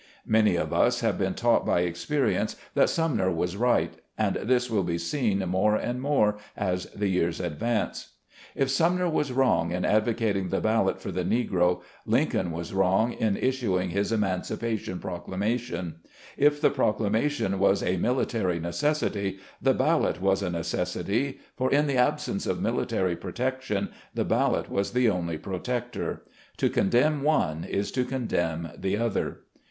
Many of us have been taught by experience that Sumner was right, and this will be seen more and more as the years advance. If Sumner was wrong in advocating the ballot for the Negro, Lincoln was wrong in issuing his emancipation proclamation ; if the proclamation was a "military necessity", the ballot was a necessity, for in the absence of military protection, the ballot was the only protector. To condemn one is to condemn the other.